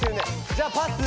じゃパス。